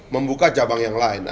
membuka cabang yang lain